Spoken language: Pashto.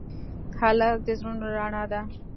هلک د زړونو رڼا ده.